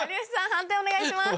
判定お願いします。